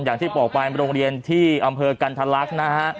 อย่างที่บอกไปโรงเรียนที่อำเภอกันทะลักษณ์นะฮะ